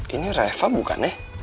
ini reva bukannya